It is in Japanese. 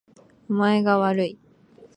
お前がわるい